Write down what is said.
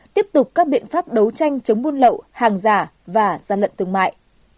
tiếp tục các biện pháp đấu tranh chống buôn lậu hàng giả và gian lận thương mại